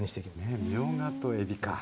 ねえみょうがとえびかあ。